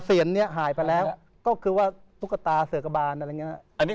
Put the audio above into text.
เสียงนี้หายไปแล้วก็คือว่าตุ๊กตาเสือกบานอะไรอย่างนี้